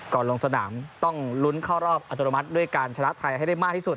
ลงสนามต้องลุ้นเข้ารอบอัตโนมัติด้วยการชนะไทยให้ได้มากที่สุด